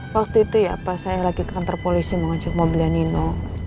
waktu itu ya pas saya lagi ke kantor polisi mau ngajak mobil nino